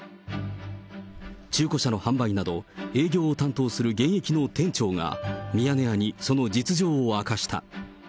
中古車の販売など、営業を担当する現役の店長がミヤネ屋にその実情を明かした。